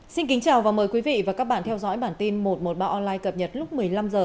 xin kính chào và mời quý vị và các bạn theo dõi bản tin một trăm một mươi ba online cập nhật lúc một mươi năm h